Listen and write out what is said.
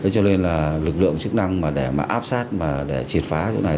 cho nên lực lượng chức năng để áp sát để triệt phá chỗ này